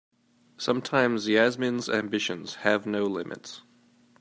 Sometimes Yasmin's ambitions have no limits.